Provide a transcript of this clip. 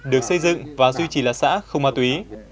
được xây dựng và duy trì là xã không ma túy